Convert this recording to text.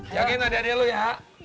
yakin adik adik lu ya